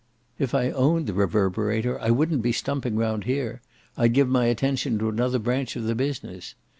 If I owned the Reverberator I wouldn't be stumping round here; I'd give my attention to another branch of the business.